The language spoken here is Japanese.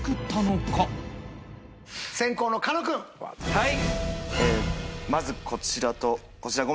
はい。